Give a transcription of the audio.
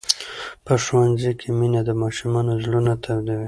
په ښوونځي کې مینه د ماشومانو زړونه تودوي.